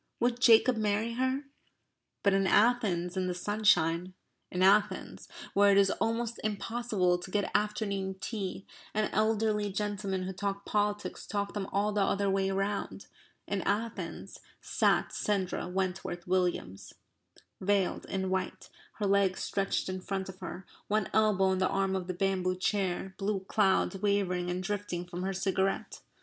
would Jacob marry her?" But in Athens in the sunshine, in Athens, where it is almost impossible to get afternoon tea, and elderly gentlemen who talk politics talk them all the other way round, in Athens sat Sandra Wentworth Williams, veiled, in white, her legs stretched in front of her, one elbow on the arm of the bamboo chair, blue clouds wavering and drifting from her cigarette.